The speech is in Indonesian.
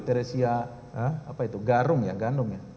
teresia apa itu garung ya gandum ya